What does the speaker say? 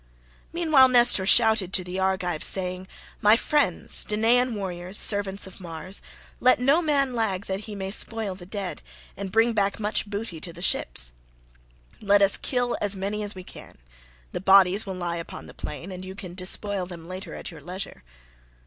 Meanwhile Nestor shouted to the Argives, saying, "My friends, Danaan warriors, servants of Mars, let no man lag that he may spoil the dead, and bring back much booty to the ships. Let us kill as many as we can; the bodies will lie upon the plain, and you can despoil them later at your leisure."